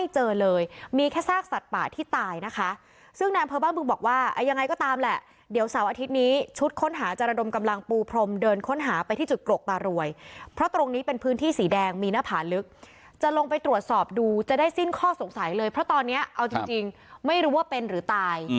จริงไม่รู้ว่าเป็นหรือตาย